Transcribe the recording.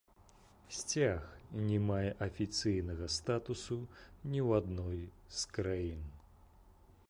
Сцяг не мае афіцыйнага статусу ні ў адной з краін.